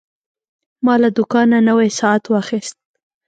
ما له دوکانه نوی ساعت واخیست.